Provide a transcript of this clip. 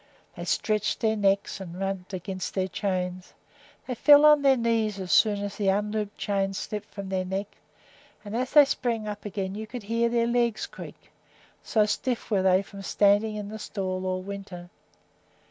They stretched their necks and rubbed against their chains. They fell on their knees as soon as the unlooped chains slipped from their necks, and as they sprang up again you could hear their legs creak, so stiff were they from standing in the stall all winter.